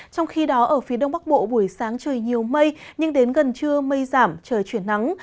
trong khi đó ở phía đông bắc bộ buổi sáng trời nhiều mây nhưng đến gần trưa mây giảm trời chuyển nắng